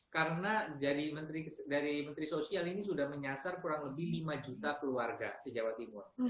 karena dari menteri sosial ini sudah menyasar kurang lebih lima juta keluarga di jawa timur